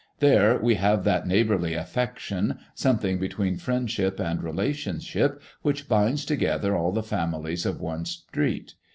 There we have that neighborly affection, something between friendship and relationship, which binds together all the families of one street.